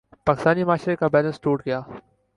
پاکستانی معاشرے کا بیلنس ٹوٹ گیا۔